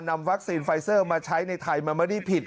นำวัคซีนไฟเซอร์มาใช้ในไทยมันไม่ได้ผิด